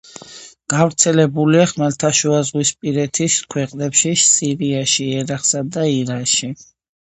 გავრცელებულია ხმელთაშუაზღვისპირეთის ქვეყნებში, სირიაში, ერაყსა და ირანში.